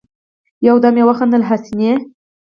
يودم يې وخندل: حسينه!